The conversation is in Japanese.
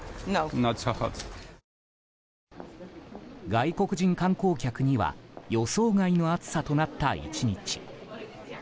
外国人観光客には予想外の暑さとなった１日。